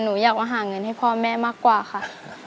หนูอยากมาหาเงินให้พ่อแม่มากกว่าค่ะ